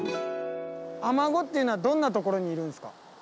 アマゴっていうのはどんなところにいるんですか？